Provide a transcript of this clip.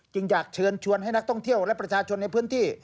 อยากเชิญชวนให้นักท่องเที่ยวและประชาชนในพื้นที่